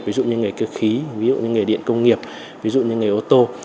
ví dụ như nghề cơ khí ví dụ như nghề điện công nghiệp ví dụ như nghề ô tô